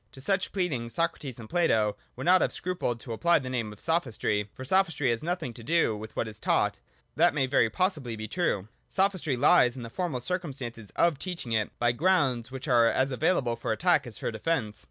To such pleading Socrates and Plato would not have scrupled to apply the name of Sophistry. For Sophistry has nothing to do with what is taught :— that may very possibly be true. Sophistry lies in the formal circumstance of teaching it by grounds which are as available for attack as for defence.